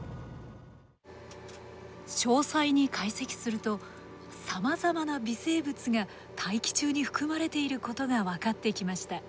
詳細に解析するとさまざまな微生物が大気中に含まれていることが分かってきました。